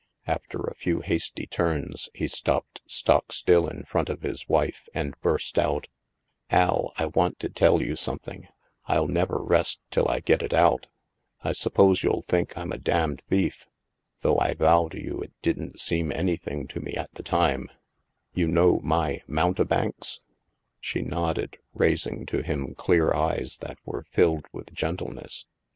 After a few hasty turns, he stopped stock still in front of his wife, and burst out : "Al, I want to tell you something — FU never rest till I get it out — I suppose you'll think Tm a damned thief, though I vow to you it didn't seem anything to me at the time — you know my * Moun* tebanks '?" She nodded, raising to him clear eyes that were filled with gentleness.